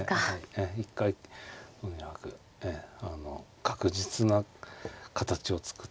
ええ一回とにかくあの確実な形を作って。